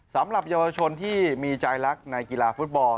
สำหรับเยาวชนที่มีใจรักในกีฬาฟุตบอล